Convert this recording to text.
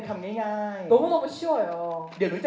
ฉันเพียงงามแรง